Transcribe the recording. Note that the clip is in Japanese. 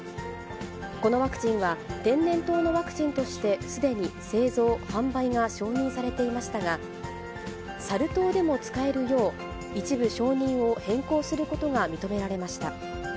このワクチンは、天然痘のワクチンとしてすでに製造・販売が承認されていましたが、サル痘でも使えるよう、一部承認を変更することが認められました。